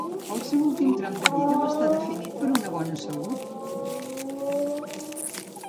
El seu últim tram de vida va estar definit per una bona salut?